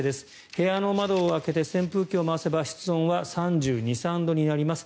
部屋の窓を開けて扇風機を回せば室温は３２３３度になります